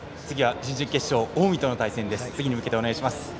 次は準々決勝近江との対戦です。